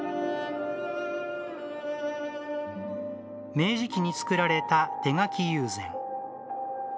明治期に作られた手描き友禅。